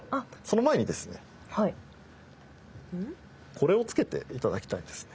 これを着けて頂きたいんですね。